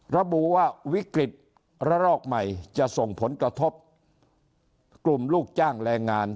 ระบุว่าวิกฤตระลอกใหม่จะส่งผลกระทบกลุ่มลูกจ้างแรงงาน